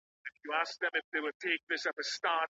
شريعت د بندګانو په حقوقو کې سوله راوستله.